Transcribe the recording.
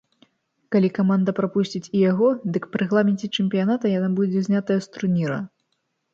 Калі каманда прапусціць і яго, дык па рэгламенце чэмпіяната яна будзе знятая з турніра.